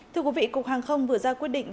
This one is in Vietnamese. thưa quý vị cục hàng không vừa ra quyết định